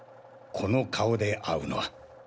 この顔で会うのは。